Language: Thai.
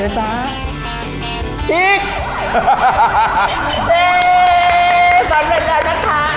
สำเร็จแล้วนะคะ